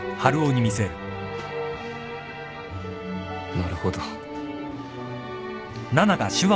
なるほど。